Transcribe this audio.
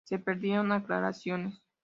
Se pidieron aclaraciones.